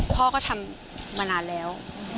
พ่อก็ทำมานานแล้ว